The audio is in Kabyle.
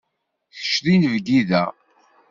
Kečč d inebgi da.